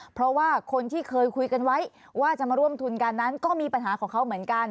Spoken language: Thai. เพราะว่าคนที่เคยคุยกันไว้ว่าจะมาร่วมทุนกันนั้นก็มีปัญหาของเขาเหมือนกัน